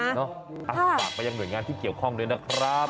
ฝากไปยังหน่วยงานที่เกี่ยวข้องด้วยนะครับ